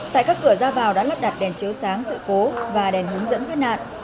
tại các cửa ra vào đã lắp đặt đèn chiếu sáng dự cố và đèn hướng dẫn khuyến nạn